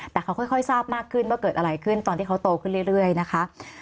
แต่เขาค่อยทราบมากขึ้นว่าเกิดอะไรขึ้นตอนที่เขาโตขึ้นเรื่อยนะคะ